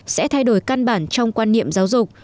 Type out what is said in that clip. sẽ thay đổi căn bản trong quan niệm giáo dục